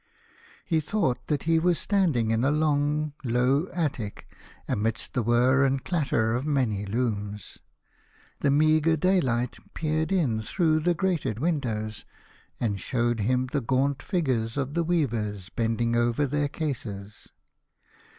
He thought that he was standing in a long, low attic, amidst the whirr and clatter of many looms. The meagre daylight peered in through 8 The Young King. the grated windows, and showed him the gaunt figures of the weavers bending over their cases.